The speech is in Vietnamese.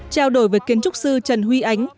chào đổi với kiến trúc sư trần huy ánh